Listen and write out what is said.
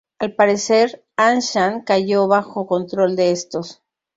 Al parecer, Anshan cayó bajo control de estos.